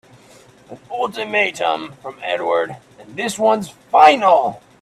An ultimatum from Edward and this one's final!